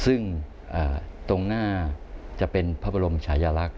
ซึ่งตรงหน้าจะเป็นพระบรมชายลักษณ